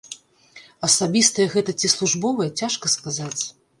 Асабістае гэта ці службовае, цяжка сказаць.